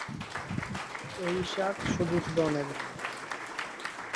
এই শাক সবুজ বর্ণের।